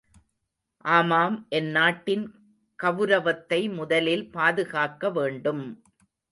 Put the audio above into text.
ஆமாம் என் நாட்டின் கவுரவத்தை முதலில் பாதுகாக்க வேண்டும்!...